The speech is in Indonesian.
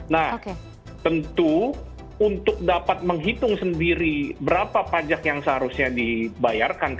nah tentu untuk dapat menghitung sendiri berapa pajak yang seharusnya dibayarkan